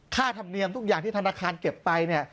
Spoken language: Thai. ธรรมเนียมทุกอย่างที่ธนาคารเก็บไปเนี่ย